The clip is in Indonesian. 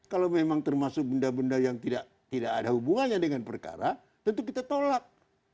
kalau memang termasuk benda benda yang tidak ada hubungannya dengan perkara tentu kita tolak